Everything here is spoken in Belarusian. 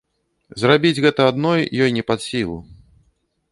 Зрабіць гэта адной ёй не пад сілу.